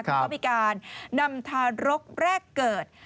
ก็มีการนำทารกแรกเกิด